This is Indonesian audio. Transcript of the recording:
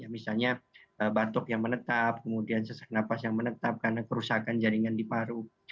misalnya batuk yang menetap kemudian sesak napas yang menetap karena kerusakan jaringan di paru